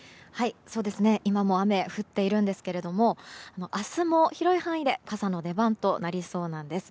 今も雨が降っているんですけども明日も広い範囲で傘の出番となりそうなんです。